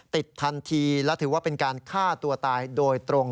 ติดทันทีและถือว่าเป็นการฆ่าตัวตายโดยตรง